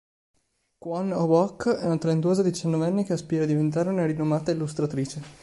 Kwon Oh-bok è una talentuosa diciannovenne che aspira a diventare una rinomata illustratrice.